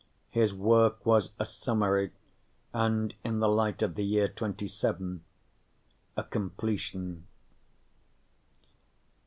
His work was a summary and, in the light of the year 2070, a completion.